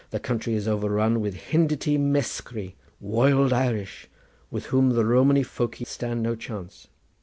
The country is overrun with Hindity mescrey, woild Irish, with whom the Romany foky stand no chance.